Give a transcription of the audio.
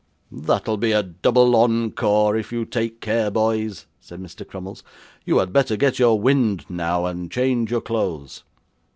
'That'll be a double ENCORE if you take care, boys,' said Mr. Crummles. 'You had better get your wind now and change your clothes.